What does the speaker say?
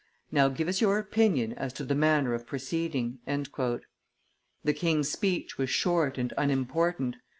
Now, give us your opinion as to the manner of proceeding.'" The king's speech was short and unimportant.